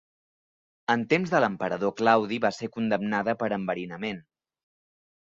En temps de l'emperador Claudi va ser condemnada per enverinament.